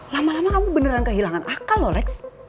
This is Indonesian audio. lama lama kamu beneran kehilangan akal ya